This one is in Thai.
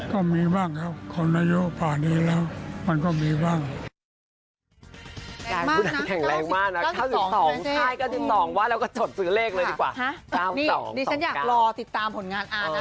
ก็มีบ้างครับคนอายุป่านี้แล้วมันก็มีบ้าง